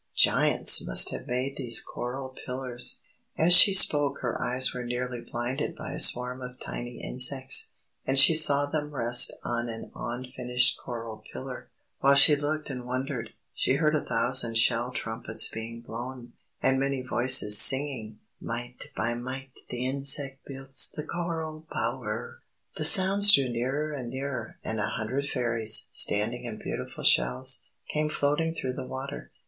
"Giants must have made these coral pillars!" As she spoke her eyes were nearly blinded by a swarm of tiny insects, and she saw them rest on an unfinished coral pillar. While she looked and wondered, she heard a thousand shell trumpets being blown, and many voices singing: "Mite by mite the insect builds the coral bower!" The sounds drew nearer and nearer, and a hundred Fairies, standing in beautiful shells, came floating through the water.